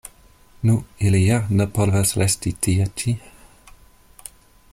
Nu, ili ja ne povas resti tie ĉi?